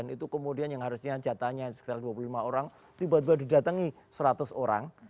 itu kemudian yang harusnya jatahnya sekitar dua puluh lima orang tiba tiba didatangi seratus orang